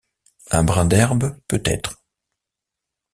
Un brin d’herbe peut-être.